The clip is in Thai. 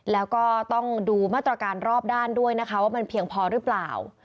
แล้วก็ต้องดูมาตรการรอบด้านด้วยนะคะว่ามันเพียงพอหรือเปล่า